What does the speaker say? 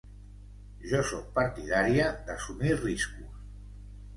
Jo sóc partidària d’assumir riscos.